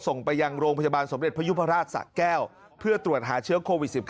ส่งไปยังโรงพยาบาลสมเด็จพยุพราชสะแก้วเพื่อตรวจหาเชื้อโควิด๑๙